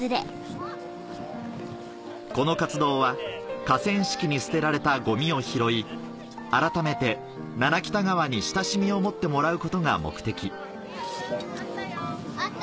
この活動は河川敷に捨てられたゴミを拾い改めて七北田川に親しみを持ってもらうことが目的・あったよ・・あった？